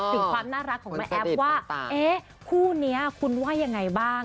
ถึงความน่ารักของแม่แอฟว่าเอ๊ะคู่นี้คุณว่ายังไงบ้าง